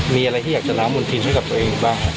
มีอะไรที่จะล้ามนพิษให้กับตัวเองบ้าง